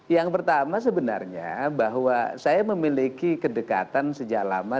yang pertama sebenarnya bahwa saya memiliki kedekatan sejak lama